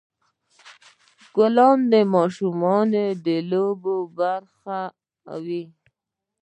ګلان د ماشومانو د لوبو برخه وي.